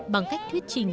bằng cách thuyết trình